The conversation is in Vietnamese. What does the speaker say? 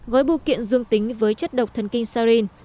gói bưu kiện dương tính với chất độc thần kinh sarin